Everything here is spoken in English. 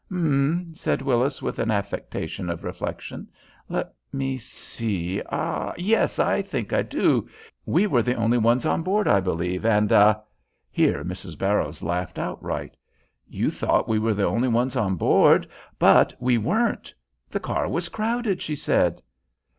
"H'm!" said Willis, with an affectation of reflection. "Let me see; ah yes I think I do. We were the only ones on board, I believe, and ah " Here Mrs. Barrows laughed outright. "You thought we were the only ones on board, but we weren't. The car was crowded," she said.